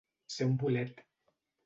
Ser un bolet.